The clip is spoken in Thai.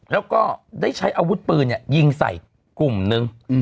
แล้วก็ได้ใช้อาวุธปืนยิงใส่กลุ่มนึง